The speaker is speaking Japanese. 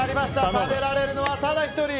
食べられるのはただ１人。